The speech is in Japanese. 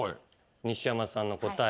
西山さんの答え。